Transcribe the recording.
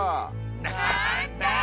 なんだ。